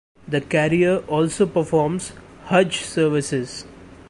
The carrier also performs Hajj services.